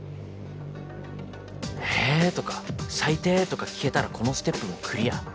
「ええ」とか「最低」とか聞けたらこのステップもクリア。